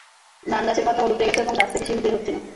ধানগাছের পাতা হলুদ হয়ে গেছে এবং গাছ থেকে শিষ বের হচ্ছে না।